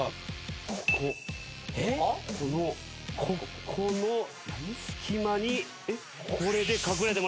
ここの隙間にこれで隠れてもらいます。